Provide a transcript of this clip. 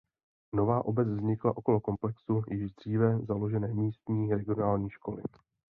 Nová obec vznikla okolo komplexu již dříve založené místní regionální školy.